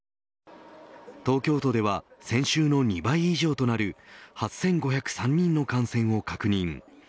東京都では先週の２倍以上となる８５０３人の感染を確認。